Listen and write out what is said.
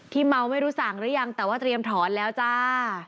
เมาไม่รู้สั่งหรือยังแต่ว่าเตรียมถอนแล้วจ้า